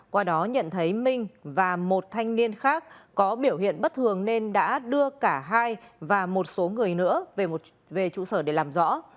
qua đó nhận thấy minh và một thanh niên khác có biểu hiện bất thường nên đã đưa cả hai và một số người nữa về trụ sở để làm rõ